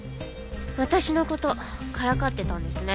私の事からかってたんですね。